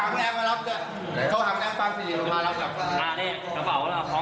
เร็วเอาเฝ่าย่างสีแดงด้วยจะไปที่ไหนไปละกู